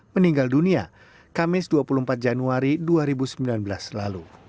meninggal dunia kamis dua puluh empat januari dua ribu sembilan belas lalu